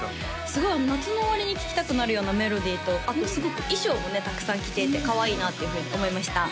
すごい夏の終わりに聴きたくなるようなメロディーとあとすごく衣装もねたくさん着ていてかわいいなというふうに思いました